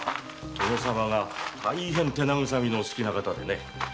殿様が大変手慰みのお好きな方でね。